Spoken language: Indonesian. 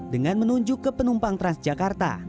dengan menunjuk ke penumpang transjakarta